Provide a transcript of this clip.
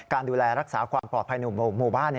การดูแลรักษาความปลอดภัยหมู่บ้าน